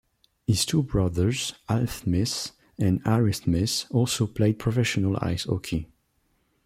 His two brothers Alf Smith and Harry Smith also played professional ice hockey.